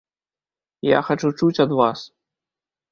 Я хачу чуць ад вас.